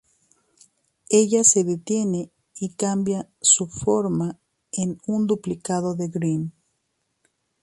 Ella se detiene y cambia su forma en un duplicado de Green.